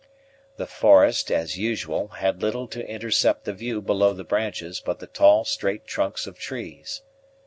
The forest, as usual, had little to intercept the view below the branches but the tall straight trunks of trees.